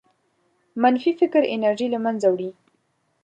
منفي فکر انرژي له منځه وړي.